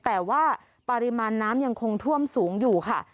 แต่ว่าปริมาณน้ำยังคงท่วมสูงอยู่ค่ะ